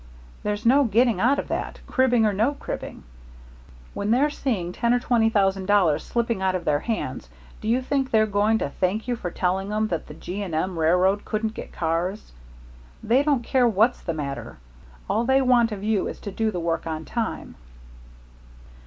There's no getting out of that, cribbing or no cribbing. When they're seeing ten or twenty thousand dollars slipping out of their hands, do you think they're going to thank you for telling 'em that the G. & M. railroad couldn't get cars? They don't care what's the matter all they want of you is to do the work on time."